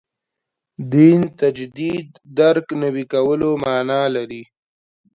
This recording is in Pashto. دین تجدید درک نوي کولو معنا لري.